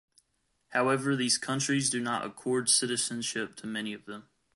However these countries do not accord citizenship to many of them.